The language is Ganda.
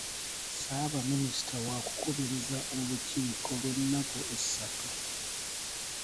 Ssabaminisita wakukubiriza olukiiko lw'ennaku essatu.